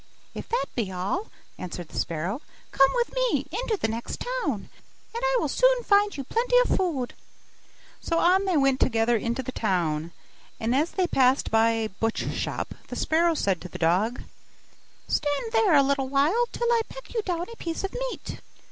'If that be all,' answered the sparrow, 'come with me into the next town, and I will soon find you plenty of food.' So on they went together into the town: and as they passed by a butcher's shop, the sparrow said to the dog, 'Stand there a little while till I peck you down a piece of meat.